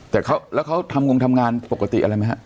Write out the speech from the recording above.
แต่แล้วเขาทำงงทำงานปกติอะไรไหมฮะ